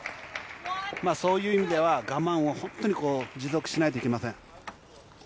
そういう意味では、我慢は本当に持続しないといけません。